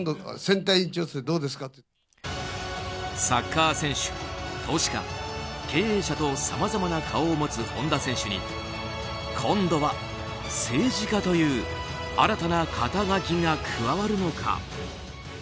サッカー選手、投資家経営者とさまざまな顔を持つ本田選手に今度は政治家という新たな肩書きが加わるのか。